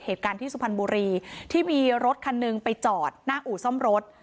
เหตุการณ์ที่สุพรรณบุรีที่มีรถคันหนึ่งไปจอดหน้าอู่ซ่อมรถ